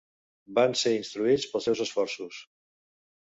Van ser instruïts pels seus esforços.